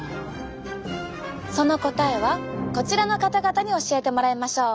その答えはこちらの方々に教えてもらいましょう。